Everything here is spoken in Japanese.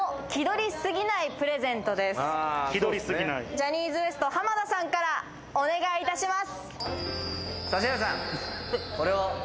ジャニーズＷＥＳＴ・濱田さんからお願いいたします。